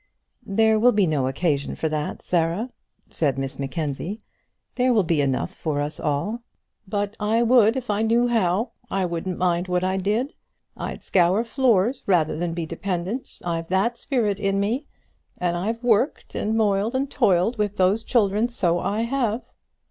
"There will be no occasion for that, Sarah," said Miss Mackenzie, "there will be enough for us all." "But I would if I knew how. I wouldn't mind what I did; I'd scour floors rather than be dependent, I've that spirit in me; and I've worked, and moiled, and toiled with those children; so I have."